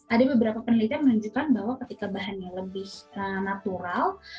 ada beberapa penelitian menunjukkan bahwa ketika bahannya lebih natural